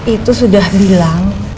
itu sudah bilang